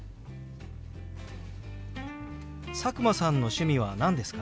佐久間さんの趣味は何ですか？